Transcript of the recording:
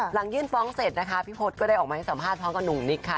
หลังยื่นฟ้องเสร็จนะคะพี่พศก็ได้ออกมาให้สัมภาษณ์พร้อมกับหนุ่มนิกค่ะ